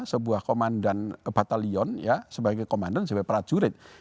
sebuah komandan batalion sebagai komandan sebagai prajurit